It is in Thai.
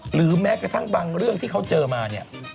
หรือแม้กระทั่งบางเรื่องที่เขาเจอมาเนี่ย